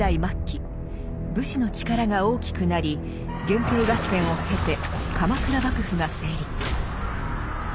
末期武士の力が大きくなり源平合戦を経て鎌倉幕府が成立。